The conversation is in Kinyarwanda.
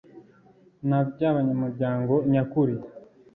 na by abanyamuryango nyakuri